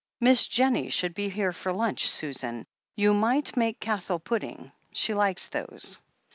"Miss Jennie should be here for lunch, Susan. You might make castle puddings — she likes those."